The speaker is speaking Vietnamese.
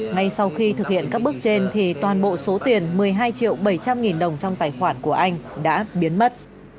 ngay sau khi thực hiện các bước trên thì toàn bộ số tiền một mươi hai triệu bảy trăm linh nghìn đồng trong tài khoản của anh đã biến mất